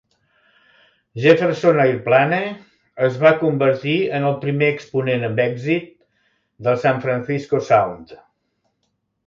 Jefferson Airplane es va convertir en el primer exponent amb èxit del San Francisco Sound.